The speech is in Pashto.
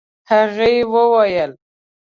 هغې وويل: